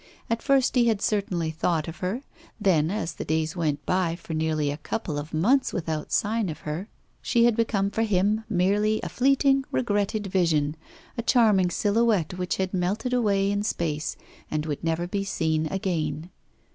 At first he had certainly thought of her; then, as the days went by for nearly a couple of months without sign of life from her, she had become for him merely a fleeting, regretted vision, a charming silhouette which had melted away in space, and would never be seen again.